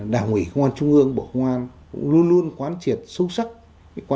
đó chính là thời cờ